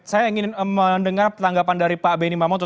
saya ingin mendengar tanggapan dari pak benny mamoto